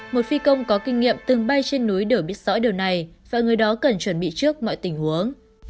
một phi công có kinh nghiệm từng bay trên núi đều biết rõ điều này và người đó cần chuẩn bị trước mọi tình huống